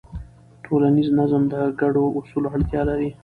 ټولنیز نظم د ګډو اصولو اړتیا لري.